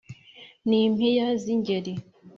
N'impiya z'ingeri!